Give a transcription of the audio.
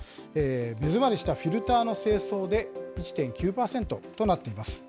目詰まりしたフィルターの清掃で１．９％となっています。